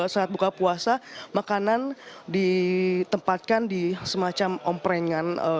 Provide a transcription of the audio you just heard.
saat buka puasa makanan ditempatkan di semacam omprengan